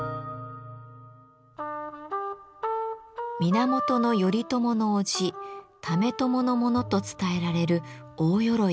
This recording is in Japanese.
源頼朝の叔父為朝のものと伝えられる大鎧です。